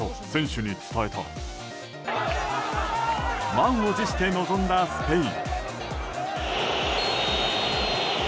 満を持して臨んだスペイン。